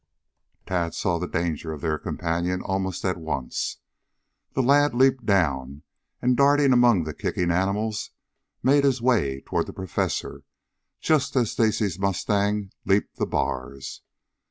Tad saw the danger of their companion almost at once. The lad leaped down, and darting among the kicking animals, made his way toward the Professor just as Stacy's mustang leaped the bars.